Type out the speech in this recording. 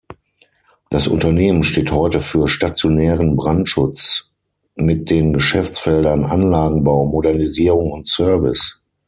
Das Unternehmen steht heute für „stationären Brandschutz“ mit den Geschäftsfeldern Anlagenbau, Modernisierung und Service.